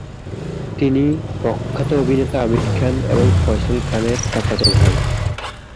তিনি প্রখ্যাত অভিনেতা আমির খান এবং ফয়সাল খান এর চাচাত ভাই।